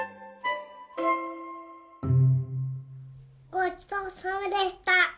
ごちそうさまでした！